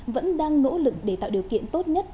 vẫn đang nỗ lực để tạo điều kiện tốt nhất